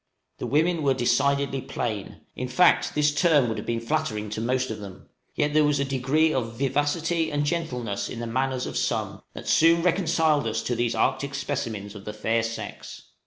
The women were decidedly plain; in fact, this term would have been flattering to most of them; yet there was a degree of vivacity and gentleness in the manners of some that soon reconciled us to these Arctic specimens of the fair sex.